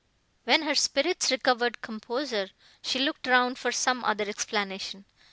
When her spirits recovered composure, she looked round for some other explanation.